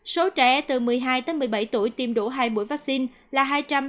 số trẻ từ một mươi hai một mươi bảy tuổi tiêm đủ hai mũi vaccine là hai trăm bảy mươi chín